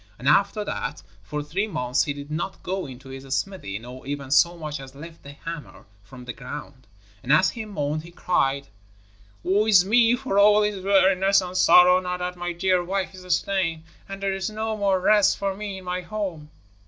And after that for three months he did not go into his smithy nor even so much as lift his hammer from the ground. And as he mourned he cried: 'Woe is me, for all is weariness and sorrow now that my dear wife is slain, and there is no more rest for me in my home.'